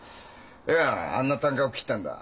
いやあんなたんかを切ったんだ。